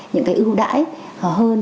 những ưu đãi hơn